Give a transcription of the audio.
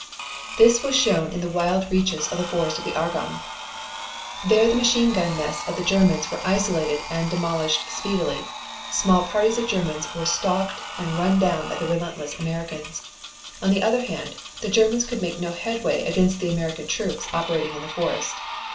This was shown in the wild reaches of the Forest of the Argonne. There the machine gun nests of the Germans were isolated and demolished speedily. Small parties of Germans were stalked and run down by the relentless Americans. On the other hand, the Germans could make no headway against the American troops operating in the Forest.